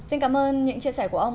xin cảm ơn những chia sẻ của ông